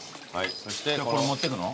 そしてこれ持ってくの？